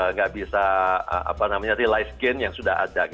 nggak bisa apa namanya realize gain yang sudah ada